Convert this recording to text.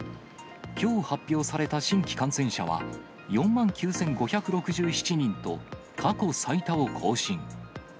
きょう発表された新規感染者は４万９５６７人と、過去最多を更新。